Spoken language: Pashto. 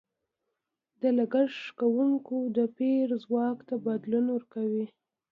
د لګښت کوونکو د پېر ځواک ته بدلون ورکوي.